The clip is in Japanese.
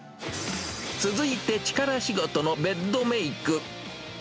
続いて、力仕事のベッドメーク。